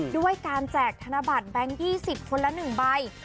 ด้วยการแจกธนบัตรแบงค์๒๐คนละ๑ใบ